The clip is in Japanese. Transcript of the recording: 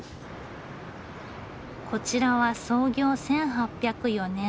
こちらは創業１８０４年。